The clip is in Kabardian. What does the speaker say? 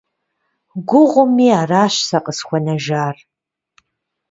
Гугъуми, аращ сэ къысхуэнэжар.